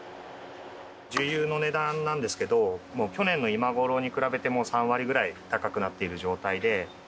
重油の値段なんですけど、去年の今ごろに比べて、３割ぐらい高くなっている状態で。